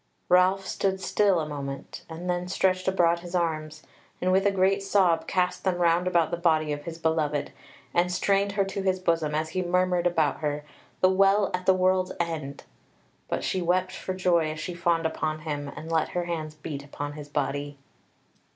Ralph stood still a moment, and then stretched abroad his arms, and with a great sob cast them round about the body of his beloved, and strained her to his bosom as he murmured about her, THE WELL AT THE WORLD'S END. But she wept for joy as she fawned upon him, and let her hands beat upon his body.